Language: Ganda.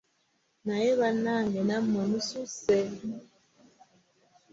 Naye bannange nammwe mususse!